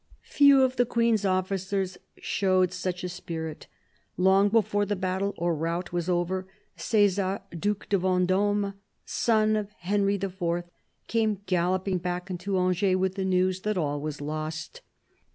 Few of the Queen's officers showed such a spirit. Long before the battle or rout was over, Cesar, Due de VendOme, son of Henry IV., came galloping back into Angers with the news that all was lost.